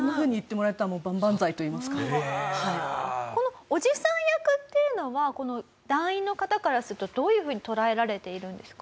このおじさん役っていうのは団員の方からするとどういうふうに捉えられているんですか？